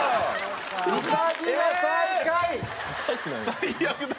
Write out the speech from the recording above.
最悪だよ。